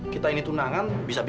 kita akan menjalankan pernikahan